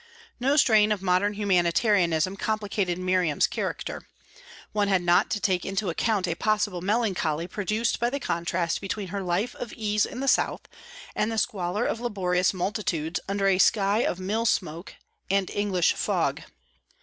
No strain of modern humanitarianism complicated Miriam's character. One had not to take into account a possible melancholy produced by the contrast between her life of ease in the South, and the squalor of laborious multitudes under a sky of mill smoke and English fog.